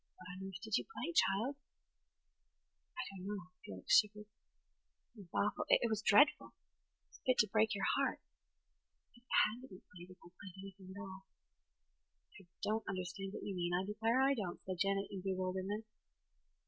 "What on earth did you play, child?" "I don't know." Felix shivered. "It was awful–it was dreadful. It was fit to break your heart. But it had to be played, if I played anything at all." "I don't understand what you mean–I declare I don't," said Janet in bewilderment.